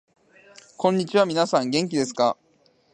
こんにちは、みなさん元気ですか？